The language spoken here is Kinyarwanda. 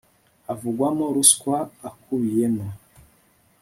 avugwamo ruswa akubiyemo